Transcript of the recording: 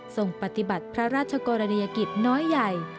ส่งปฏิบัติพระราชกรณียกิจน้อยใหญ่